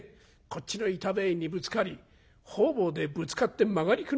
こっちの板塀にぶつかり方々でぶつかって曲がりくねってね